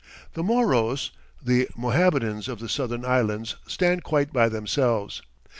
The Moros, the Mohammedans of the southern islands, stand quite by themselves.